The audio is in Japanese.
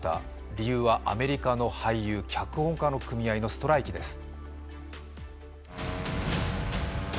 理由はアメリカの俳優・脚本家の組合のストライキです。